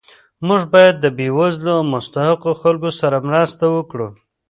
موږ باید د بې وزلو او مستحقو خلکو سره مرسته وکړو